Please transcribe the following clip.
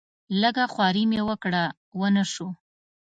لږه خواري مې وکړه ونه شو.